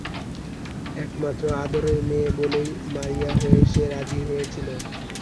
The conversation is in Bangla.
একমাত্র আদরের মেয়ে বলেই মরিয়া হয়ে সে রাজি হয়েছিল।